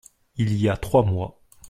il y a trois mois.